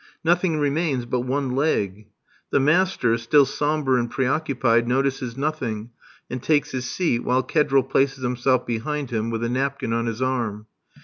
Nothing remains but one leg. The master, still sombre and pre occupied, notices nothing, and takes his seat, while Kedril places himself behind him with a napkin on his arm.